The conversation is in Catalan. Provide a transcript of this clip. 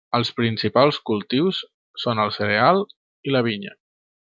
Els principals cultius són el cereal i la vinya.